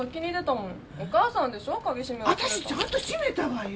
私ちゃんと閉めたわよ。